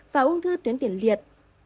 và ung thư tuyến tiển liệt